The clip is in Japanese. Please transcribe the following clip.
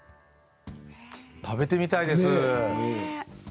食べてみたいです。